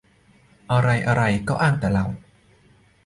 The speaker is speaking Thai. อะไรอะไรก็อ้างแต่เรา